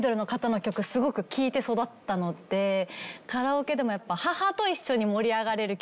カラオケでもやっぱり。